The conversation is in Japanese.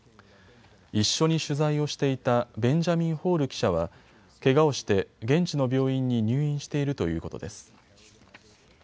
一緒に取材をしていたベンジャミン・ホール記者はけがをして現地の病院に入院しているということです。